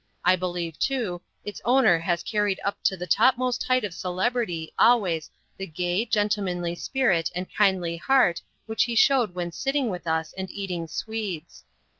I believe, too, its owner has carried up to the topmost height of celebrity always the gay, gentlemanly spirit and kindly heart which he showed when sitting with us and eating swedes.